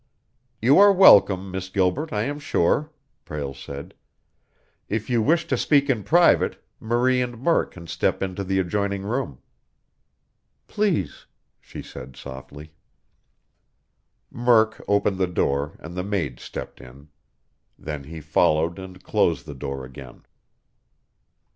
"You are welcome, Miss Gilbert, I am sure," Prale said. "If you wish to speak in private, Marie and Murk can step into the adjoining room." "Please," she said softly. Murk opened the door, and the maid stepped in. Then he followed and closed the door again.